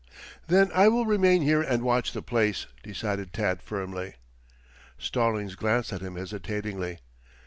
"Then I will remain here and watch the place," decided Tad firmly. Stallings glanced at him hesitatingly.